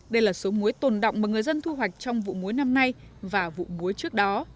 đây là số muối tồn động mà người dân thu hoạch trong vụ muối năm nay và vụ muối trước đó